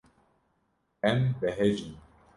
Em behecîn.